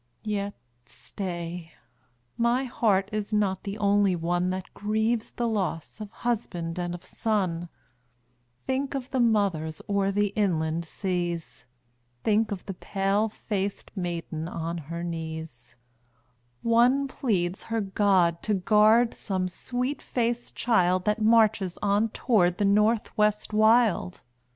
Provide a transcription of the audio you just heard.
Yet stay, my heart is not the only one That grieves the loss of husband and of son; Think of the mothers o'er the inland seas; Think of the pale faced maiden on her knees; One pleads her God to guard some sweet faced child That marches on toward the North West wild.